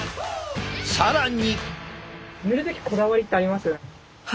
更に。